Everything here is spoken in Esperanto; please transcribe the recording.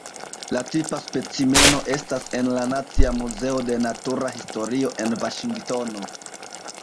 La tipa specimeno estas en la Nacia Muzeo de Natura Historio en Vaŝingtono.